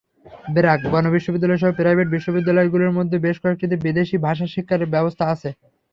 ব্র্যাক, গণবিশ্ববিদ্যালয়সহ প্রাইভেট বিশ্ববিদ্যালয়গুলোর মধ্যে বেশ কয়েকটিতে বিদেশি ভাষা শিক্ষার ব্যবস্থা আছে।